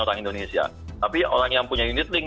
orang indonesia tapi orang yang punya unit ring